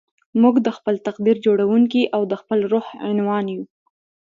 موږ د خپل تقدير جوړوونکي او د خپل روح عنوان يو.